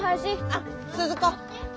あっ鈴子。